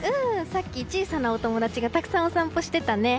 さっき小さなお友達がたくさんお散歩していたね。